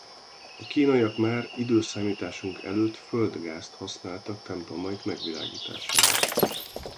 A kínaiak már időszámításunk előtt földgázt használtak templomaik megvilágítására.